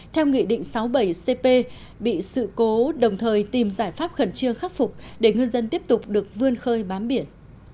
theo nghị định sáu mươi bảy cp bị sự cố đồng thời tìm giải pháp khẩn trương khắc phục để ngư dân tiếp tục được vươn khơi bám biển